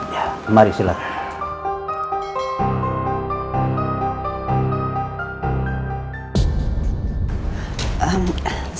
ya mari silahkan